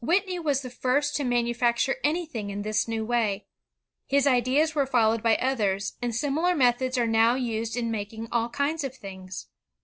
Whitney was the first to manufacture anything in this new way. His ideas were followed by others, and similar methods are now used in making all kinds of things.